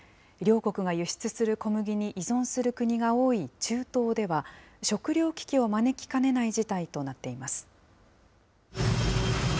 両国が輸出する小麦に依存する国が多い中東では、食糧危機を招きかねない事態となっています。